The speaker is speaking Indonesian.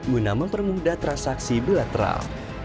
guna mempermudah transaksi bilateral